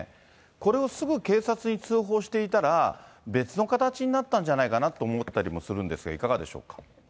これをすぐ警察に通報していたら、別の形になったんじゃないかなと思ってたりもするんですが、いかがでしょうか。